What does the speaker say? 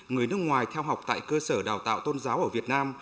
người nước ngoài theo học tại cơ sở đào tạo tôn giáo ở việt nam